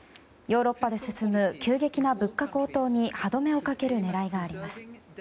ヨーロッパで進む急激な物価高騰に歯止めをかける狙いがあります。